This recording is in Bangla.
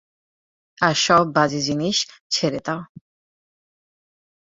আর সব বাজে জিনিষ ছেড়ে দাও।